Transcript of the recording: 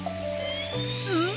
うん？